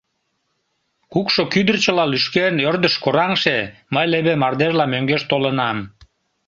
Кукшо кӱдырчыла лӱшкен, ӧрдыш кораҥше, мые леве мардежла мӧҥгеш толынам.